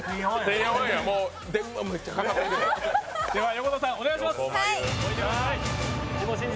横田さん、お願いします。